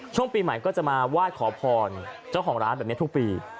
ช่วงปีใหม่ก็จะมาไหว้ขอพรเจ้าของร้านแบบนี้ทุกปี